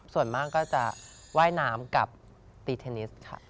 ส่วนมากก็จะว่ายน้ำกับตีเทนนิสค่ะ